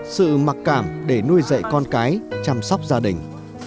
sự mặc cảm để nuôi dạy con cái chăm sóc gia đình